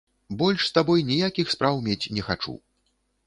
Больш з табой ніякіх спраў мець не хачу.